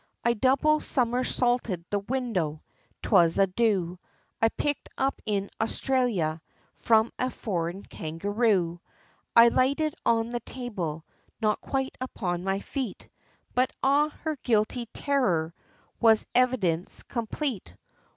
I double somersaulted the window 'twas a do I picked up in Australia, from a foreign kangaroo. I lighted on the table, not quite upon my feet, But, ah! her guilty terror was evidence complete.